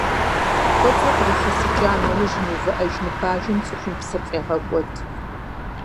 КӀуэцӀыр кърилъэсыкӀа нэужь мыувыӀэж ныбажэм цӀыхум псыр фӀегъэкӀуэд.